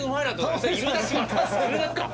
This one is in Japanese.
いるだけか。